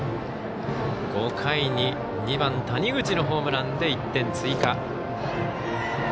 ５回に２番谷口のホームランで１点追加。